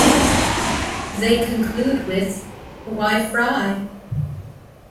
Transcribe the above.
They conclude with, Why fry?